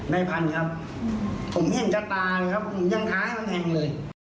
นายพันธุ์ครับอืมผมเหี้ยงจะตายเลยครับผมยังท้ายทั้งแห่งเลย